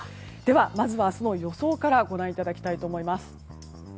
まずは明日の予報からご覧いただきたいと思います。